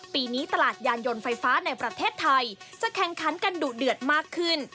ปีนี้ตลาดยานยนต์ไฟฟ้าในประเทศไทยจะแข่งขันกันดุเดือดมากขึ้น